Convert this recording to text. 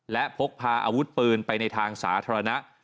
และพกพาอาวุธปืนไปในทางสาธารณะ